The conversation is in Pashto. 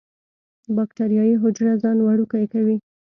باکټریايي حجره ځان وړوکی کوي.